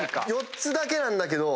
４つだけなんだけど。